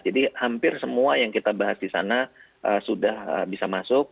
jadi hampir semua yang kita bahas di sana sudah bisa masuk